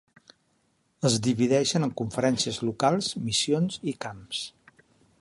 Es divideixen en conferències locals, missions i camps.